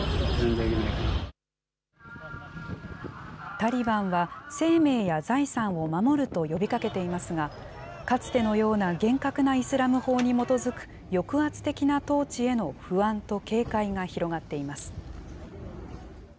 タリバンは生命や財産を守ると呼びかけていますが、かつてのような厳格なイスラム法に基づく、抑圧的な統治への不安と警戒が広がっています。